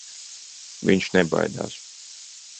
Viņš nebaidās.